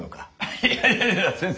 いやいやいや先生